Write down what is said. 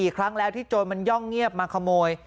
ครั้งแล้วที่โจรมันย่องเงียบมาขโมย